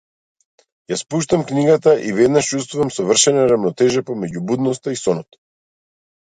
Ја спуштам книгата и веднаш чувствувам совршена рамнотежа помеѓу будноста и сонот.